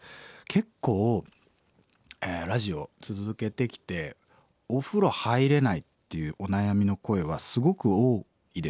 結構ラジオ続けてきてお風呂入れないっていうお悩みの声はすごく多いです。